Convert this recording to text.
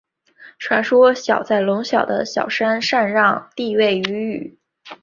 传说尧在隆尧的尧山禅让帝位予舜。